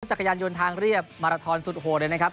จักรยานยนต์ทางเรียบมาราทอนสุดโหดเลยนะครับ